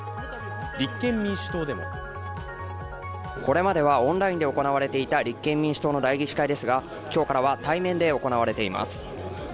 立憲民主党でもこれまではオンラインで行われていた立憲民主党の代議士会ですが今日からは対面で行われています。